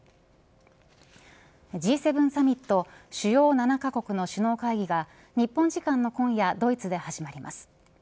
Ｇ７サミット主要７カ国の首脳会議が日本時間の今夜ドイツで始まります。